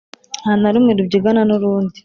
Nta na rumwe rubyigana n’urundi,